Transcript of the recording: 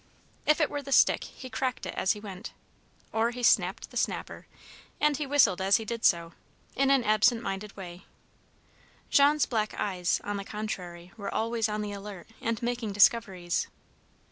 If it were the stick, he cracked it as he went, or he snapped the snapper, and he whistled, as he did so, in an absent minded way. Jean's black eyes, on the contrary, were always on the alert, and making discoveries.